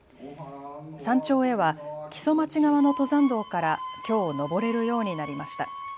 山頂へは木曽町側の登山道からきょう登れるようになりました。